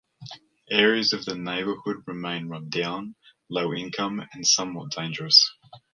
Areas of the neighborhood remained run-down, low-income, and somewhat dangerous.